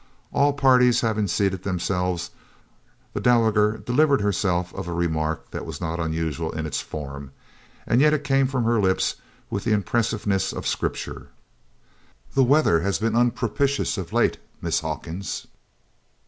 All parties having seated themselves, the dowager delivered herself of a remark that was not unusual in its form, and yet it came from her lips with the impressiveness of Scripture: "The weather has been unpropitious of late, Miss Hawkins."